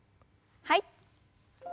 はい。